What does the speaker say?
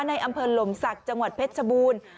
ในอำเภอหลมศักดิ์จังหวัดเพชรชบูรณ์